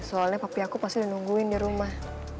soalnya papi aku pasti dinungguin di rumah